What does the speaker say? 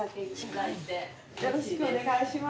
よろしくお願いします。